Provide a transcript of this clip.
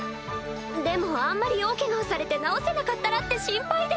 でもあんまり大けがをされて治せなかったらって心配で。